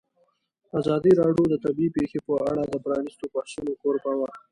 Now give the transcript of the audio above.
ازادي راډیو د طبیعي پېښې په اړه د پرانیستو بحثونو کوربه وه.